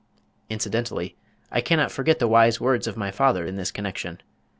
"] Incidentally I cannot forget the wise words of my father in this connection.